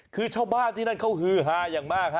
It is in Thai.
คือเช้าบ้านที่นั่นเค้าฮือหาอย่างมาก